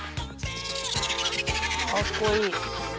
かっこいい。